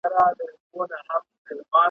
خدایه مور مه کړې پر داسي جانان بوره `